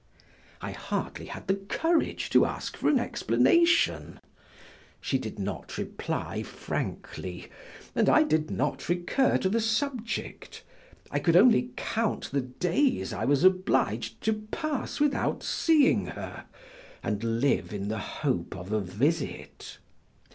I hardly had the courage to ask for an explanation; she did not reply frankly and I did not recur to the subject, I could only count the days I was obliged to pass without seeing her, and live in the hope of a visit.